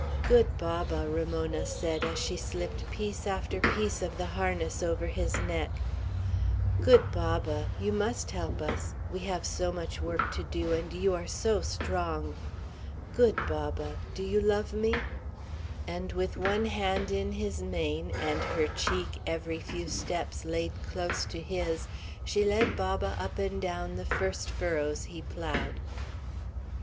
"Good Baba!" Ramona said, as she slipped piece after piece of the harness over his neck, "Good Baba, you must help us; we have so much work to do, and you are so strong! Good Baba, do you love me?" and with one hand in his mane, and her cheek, every few steps, laid close to his, she led Baba up and down the first furrows he ploughed.